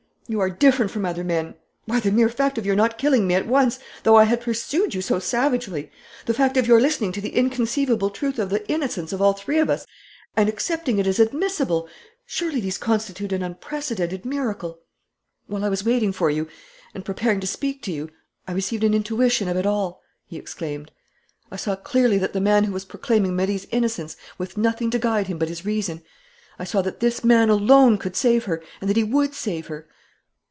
You are different from other men. Why, the mere fact of your not killing me at once, though I had pursued you so savagely, the fact of your listening to the inconceivable truth of the innocence of all three of us and accepting it as admissible, surely these constitute an unprecedented miracle. "While I was waiting for you and preparing to speak to you, I received an intuition of it all!" he exclaimed. "I saw clearly that the man who was proclaiming Marie's innocence with nothing to guide him but his reason, I saw that this man alone could save her and that he would save her.